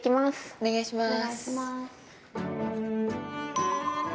お願いします。